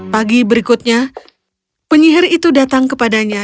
pagi berikutnya penyihir itu datang kepadanya